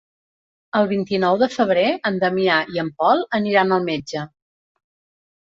El vint-i-nou de febrer en Damià i en Pol aniran al metge.